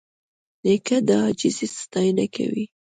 نیکه د عاجزۍ ستاینه کوي.